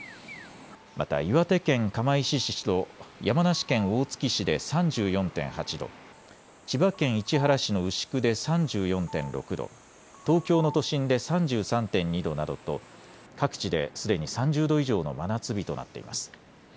また岩手県釜石市と山梨県大月市で３４．８度、千葉県市原市の牛久で３４．６度、東京の都心で３３．２度などと各地ですでに３０度以上の真夏日となっています。